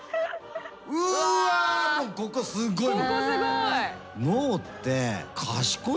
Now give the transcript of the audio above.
うわここすごい！